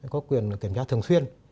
có quyền kiểm tra thường xuyên